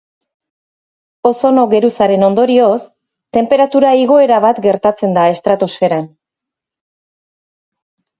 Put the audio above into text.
Ozono geruzaren ondorioz, tenperatura igoera bat gertatzen da estratosferan.